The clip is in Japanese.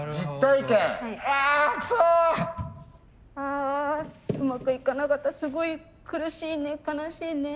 あうまくいかなかったすごい苦しいね悲しいね。